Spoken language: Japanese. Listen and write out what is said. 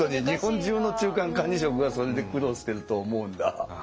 日本中の中間管理職がそれで苦労してると思うんだ。